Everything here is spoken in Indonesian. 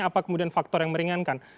apa kemudian faktor yang meringankan